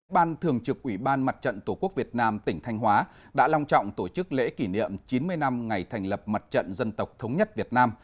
ban thường trực ủy ban mặt trận tổ quốc việt nam tỉnh thanh hóa đã long trọng tổ chức lễ kỷ niệm chín mươi năm ngày thành lập mặt trận dân tộc thống nhất việt nam